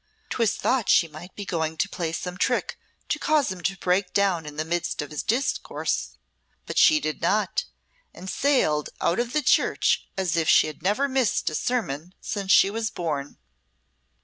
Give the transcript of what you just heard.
'Twas thought she might be going to play some trick to cause him to break down in the midst of his discourse. But she did not, and sailed out of church as if she had never missed a sermon since she was born."